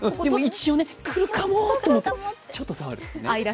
一応くるかもと思ってちょっと触る。